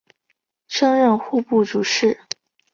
升任户部主事。